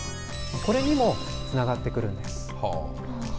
これにもつながってくるんです。